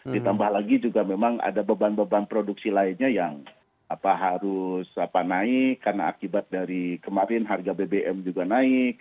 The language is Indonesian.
ditambah lagi juga memang ada beban beban produksi lainnya yang harus naik karena akibat dari kemarin harga bbm juga naik